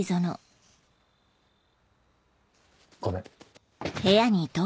ごめん。